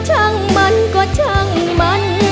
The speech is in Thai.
ช่างมันก็ช่างมัน